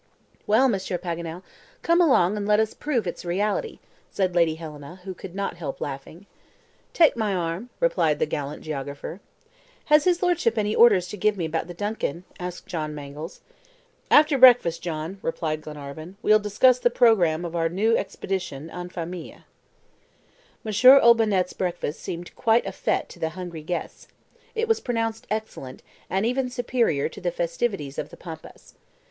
"Well, Monsieur Paganel, come along and let us prove its reality," said Lady Helena, who could not help laughing. "Take my arm," replied the gallant geographer. "Has his Lordship any orders to give me about the DUNCAN?" asked John Mangles. "After breakfast, John," replied Glenarvan, "we'll discuss the program of our new expedition en famille." M. Olbinett's breakfast seemed quite a FETE to the hungry guests. It was pronounced excellent, and even superior to the festivities of the Pampas.